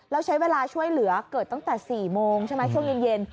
แล้วใช้เวลาช่วยเหลือเกิดตั้งแต่๔โมงใช่ไหมช่วงเย็น